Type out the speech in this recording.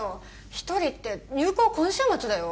一人って入稿今週末だよ